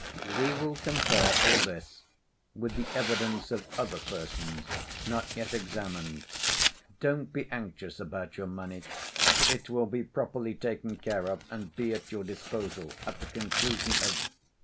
"We will compare all this with the evidence of other persons not yet examined. Don't be anxious about your money. It will be properly taken care of and be at your disposal at the conclusion of